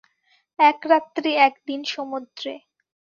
এক রাত্রি এক দিন সমুদ্রে।